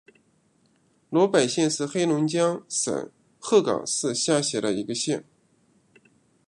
萝北县是黑龙江省鹤岗市下辖的一个县。